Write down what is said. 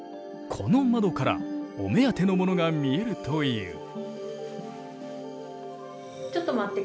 この窓からお目当てのものが見えるという。